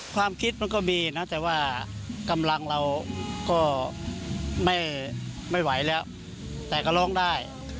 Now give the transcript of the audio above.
ความคิดมันก็มีนะแต่ว่ากำลังเราก็ไม่ไหวแล้วแต่ก็ร้องได้